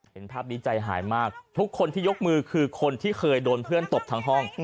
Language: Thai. เห็นภาพนี้ใจหายมากทุกคนที่ยกมือคือคนที่เคยโดนเพื่อนตบทั้งห้อง